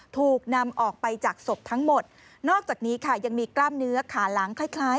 ถูกนำออกไปจากศพทั้งหมดนอกจากนี้ค่ะยังมีกล้ามเนื้อขาหลังคล้ายคล้าย